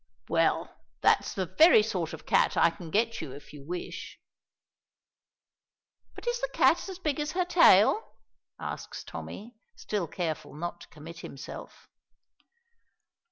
"Well, that's the very sort of a cat I can get you if you wish." "But is the cat as big as her tail?" asks Tommy, still careful not to commit himself.